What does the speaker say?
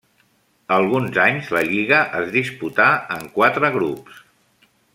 Alguns anys la lliga es disputà en quatre grups.